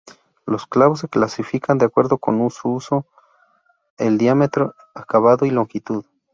Los clavos se clasifican de acuerdo con su uso, el diámetro, acabado y longitud.